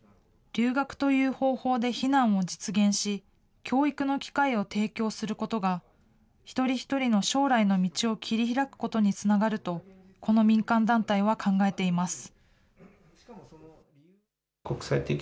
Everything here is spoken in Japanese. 留学という方法で避難を実現し、教育の機会を提供することが、一人一人の将来の道を切り開くことにつながると、この民間団体は考えています。